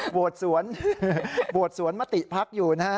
โหวตสวนโหวตสวนมติพักอยู่นะฮะ